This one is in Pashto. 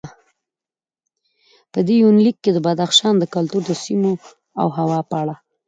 په دې یونلیک کې د بدخشان د کلتور، سیمو او هوا په اړه